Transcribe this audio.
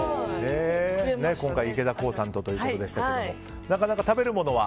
今回、池田航さんとということでしたけどなかなか食べるものは。